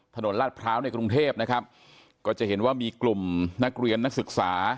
ลาดพร้าวในกรุงเทพนะครับก็จะเห็นว่ามีกลุ่มนักเรียนนักศึกษา